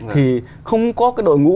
thì không có cái đội ngũ